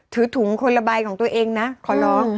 ถือถุงคนละใบของตัวเองนะขอร้อง